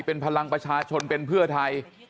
เป็นพลังประชาชนเป็นเพื่อไทย